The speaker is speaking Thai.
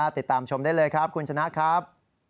ติดตามชมได้เลยครับคุณชนะครับ